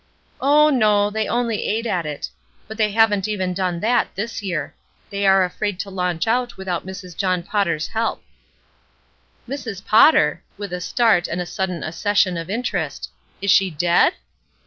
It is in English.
"Oh, no, they only ate at it. But they haven't even done that, this year; they are afraid to launch out without Mrs. John Pot ter's help." "Mrs. Potter!" with a start and a sudden accession of interest. ''Is she dead?"